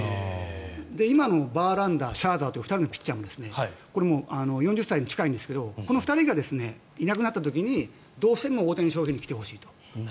今のバーランダーシャーザーという２人のピッチャーも４０歳に近いんですがこの２人がいなくなった時にどうしても大谷翔平に来てほしいと。